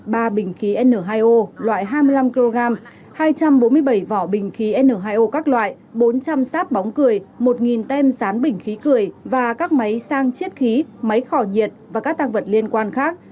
ba bình khí n hai o loại hai mươi năm kg hai trăm bốn mươi bảy vỏ bình khí n hai o các loại bốn trăm linh sáp bóng cười một tem rán bình khí cười và các máy sang chiết khí máy cỏ nhiệt và các tăng vật liên quan khác